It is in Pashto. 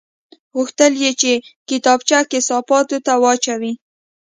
غوښتل یې چې کتابچه کثافاتو ته واچوي